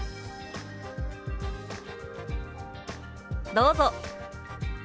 どうぞ。